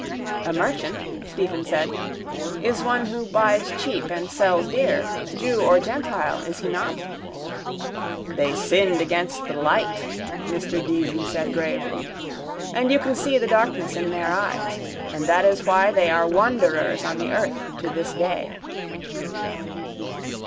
—A merchant, Stephen said, is one who buys cheap and sells dear, jew or gentile, is he not? —They sinned against the light, Mr Deasy said gravely. And you can see the darkness in their eyes. And that is why they are wanderers on the earth to this day.